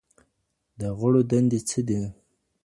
د غړو دندي څه دي؟